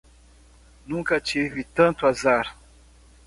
Nunca tive tanto azar